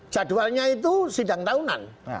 jadwalnya itu sidang tahunan